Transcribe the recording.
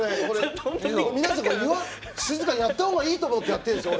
静かにやった方がいいと思ってやってるんですよ。